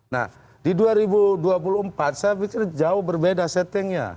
nah di dua ribu dua puluh empat saya pikir jauh berbeda settingnya